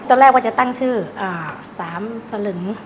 ตอนแรกว่าจะตั้งชื่อ๓สลึง